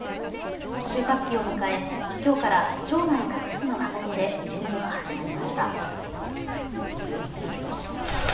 収穫期を迎えきょうから町内各地の畑でイベントが始まりました。